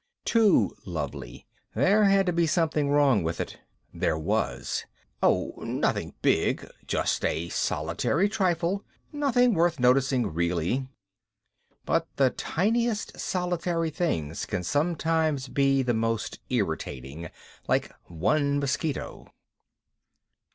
Too lovely. There had to be something wrong with it. There was. Oh, nothing big. Just a solitary trifle nothing worth noticing really. But the tiniest solitary things can sometimes be the most irritating, like one mosquito.